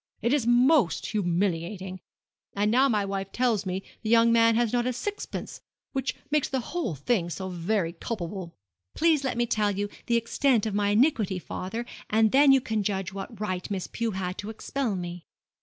It is most humiliating. And now my wife tells me the young man has not a sixpence which makes the whole thing so very culpable.' 'Please let me tell you the extent of my iniquity, father, and then you can judge what right Miss Pew had to expel me.'